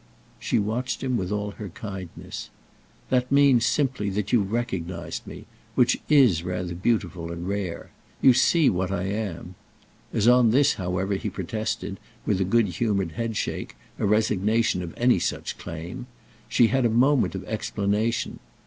She watched him with all her kindness. "That means simply that you've recognised me—which is rather beautiful and rare. You see what I am." As on this, however, he protested, with a good humoured headshake, a resignation of any such claim, she had a moment of explanation.